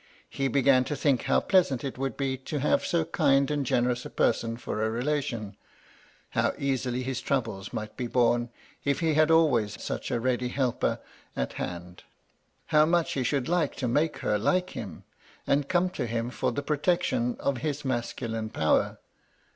He began to think how pleasant it would be to have so kind and generous a person for a relation ; how easily his troubles might be borne if he had always such a ready helper at hand ; how much he should like to make her like him, and come to him for the protection of his masculine power